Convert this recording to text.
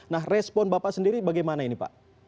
nah respon bapak sendiri bagaimana ini pak